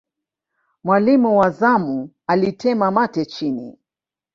mwalimu wa zamu alitema mate chini